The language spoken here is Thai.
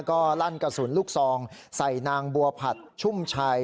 ก็ลั่นกระสุนลูกซองใส่นางบัวผัดชุ่มชัย